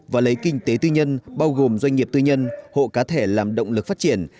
và lấy kinh tế tư nhân bao gồm doanh nghiệp tư nhân hộ cá thể làm động lực phát triển